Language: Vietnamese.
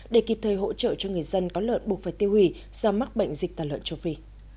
để kịp thời hỗ trợ cho người dân có lợn buộc phải tiêu hủy do mắc bệnh dịch tàn lợn châu phi